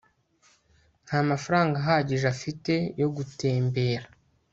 nta mafaranga ahagije afite yo gutembera